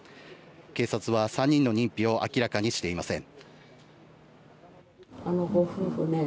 警察は３人の認否を明らかにしていません。